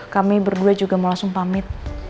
kami berdua juga mau langsung pamit